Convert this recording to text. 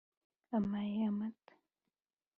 umpaye amata,